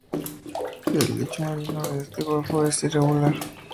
El lecho marino de este golfo es irregular.